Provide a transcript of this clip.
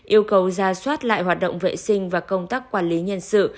yêu cầu ra soát lại hoạt động vệ sinh và công tác quản lý nhân sự